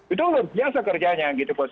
itu luar biasa kerjanya